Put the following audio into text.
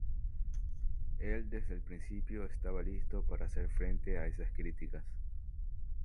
Él desde el principio estaba listo para hacer frente a esas críticas"".